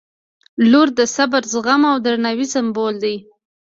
• لور د صبر، زغم او درناوي سمبول دی.